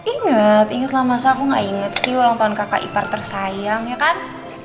ingat ingatlah masa aku gak inget sih ulang tahun kakak ipar tersayang ya kan